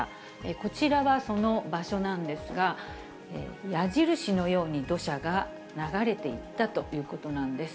こちらがその場所なんですが、矢印のように土砂が流れていったということなんです。